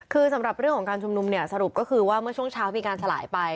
คือสำหรับเรื่องของการชุมนุมเนี่ยสรุปก็คือว่าเมื่อช่วงเช้ามีการสลายไป